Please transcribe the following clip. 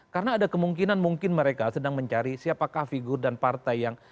karena ada kemungkinan mungkin mereka sedang mencari siapakah figur dan partai yang